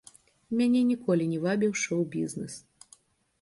Мяне ніколі не вабіў шоў-бізнэс.